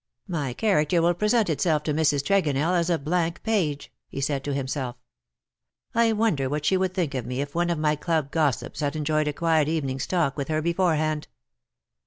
" My character will present itself to Mrs. Tre gonell as a blank page/"* he said to himself; ^'^ I wonder what she would think of me if one of my club gossips had enjoyed a quiet evening's talk witli her beforehand.